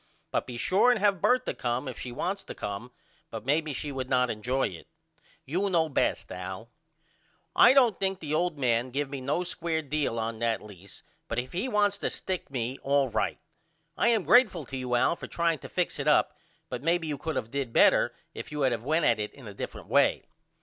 But be sure and have Bertha come if she wants to come but maybe she would not injoy it. You know best Al. I don't think the old man give me no square deal on that lease but if he wants to stick me all right. I am grateful to you Al for trying to fix it up but maybe you could of did better if you had of went at it in a different way.